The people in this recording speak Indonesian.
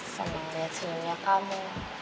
senang lihat senyumnya kamu